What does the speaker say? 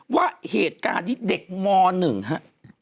ว่าเหตุการณ์นี้เด็กม๑ฮะ